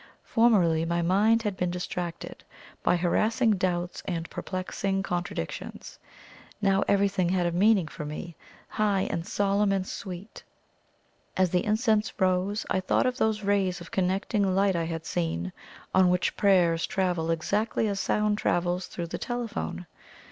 Formerly my mind had been distracted by harassing doubts and perplexing contradictions; now everything had a meaning for me high, and solemn, and sweet. As the incense rose, I thought of those rays of connecting light I had seen, on which prayers travel exactly as sound travels through the telephone.